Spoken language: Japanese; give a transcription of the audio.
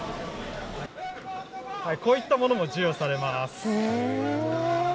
こういったものも授与されます。